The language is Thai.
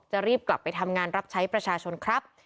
จะรีบกลับไปทำงานรับใช้ประชาชนครับ